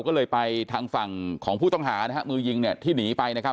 เคยไปทางฝั่งของผู้ต้องหามือยิงที่หนีไปนะครับ